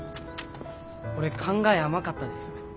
俺考え甘かったです。